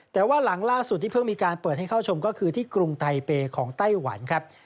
แต่ว่าหลังล่าสุดที่เพิ่งมีการเปิดให้เข้าชมก็คือที่กรุงไตเปย์ของไต้หวันครับ